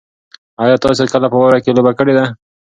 ایا تاسي کله په واوره کې لوبه کړې ده؟